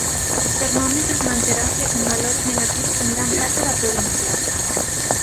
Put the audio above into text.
Os termómetros manteranse en valores negativos en gran parte da provincia.